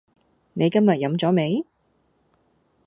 你今日飲咗未？